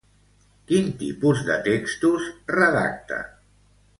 Quin tipus de textos redacta?